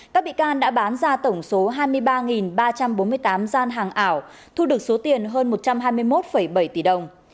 các bị can đã bán ra tổng số hai mươi ba ba trăm bốn mươi tám gian hàng ảo thu được số tiền hơn một trăm hai mươi một bảy tỷ đồng